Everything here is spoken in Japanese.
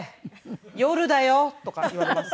「夜だよ」とかって言われます。